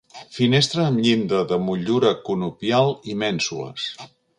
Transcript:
Finestra amb llinda de motllura conopial i mènsules.